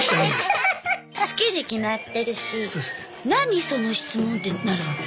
好きに決まってるし何その質問ってなるわけ。